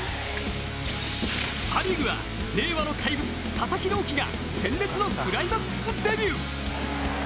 パ・リーグは令和の怪物佐々木朗希が鮮烈のクライマックスデビュー。